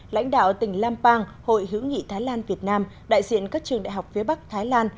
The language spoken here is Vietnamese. lãnh đạo tỉnh lampang hội hữu nghị thái lan việt nam đại diện các trường đại học phía bắc thái lan